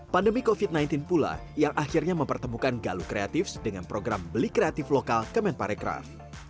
pandemi covid sembilan belas pula yang akhirnya mempertemukan galuk kreatif dengan program beli kreatif lokal kemenparekraf